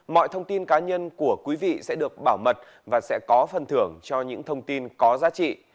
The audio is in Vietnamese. mọi thông tin cá nhân của quý vị sẽ được bảo mật và sẽ có phần thưởng cho những thông tin có giá trị